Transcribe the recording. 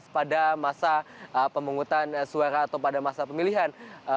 pada masa pemungutan suara atau pada masa pemilihan